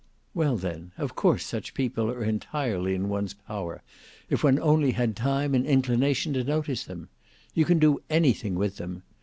Well then, of course such people are entirely in one's power, if one only had time and inclination to notice them. You can do anything with them.